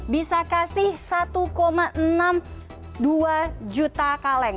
bisa kasih satu enam puluh dua juta kaleng